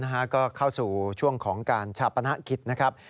แล้วก็เข้าสู่ช่วงของการชาปนภาคิตนะครับ